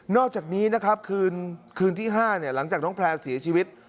อกจากนี้นะครับคืนที่๕หลังจากน้องแพร่เสียชีวิต